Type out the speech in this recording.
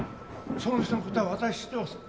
その人の事は私知ってます。